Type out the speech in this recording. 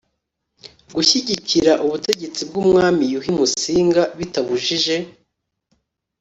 gushyigikira ubutegetsi bw umwami yuhi musinga bitabujije